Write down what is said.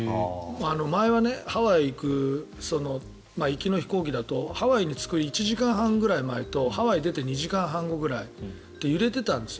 前はハワイに行く行きの飛行機だとハワイに着く１時間半ぐらい前とハワイに２時間半後ぐらい揺れていたんですよ。